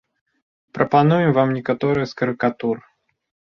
Прапануем вам некаторыя з карыкатур.